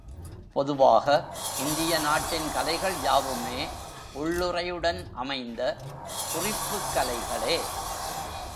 பொதுவாக இந்திய நாட்டின் கலைகள் யாவுமே உள்ளுறையுடன் அமைந்த குறிப்புக் கலைகளே.